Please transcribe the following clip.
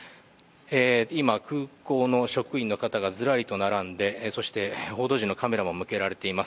今、空港の職員の方がずらりと並んでそして報道陣のカメラも向けられています。